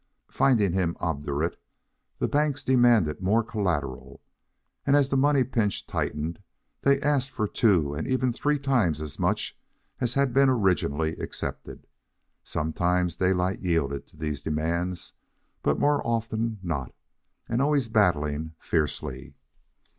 Finding him obdurate, the banks demanded more collateral, and as the money pinch tightened they asked for two and even three times as much as had been originally accepted. Sometimes Daylight yielded to these demands, but more often not, and always battling fiercely.